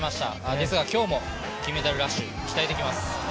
ですが今日もメダルラッシュ、期待できます。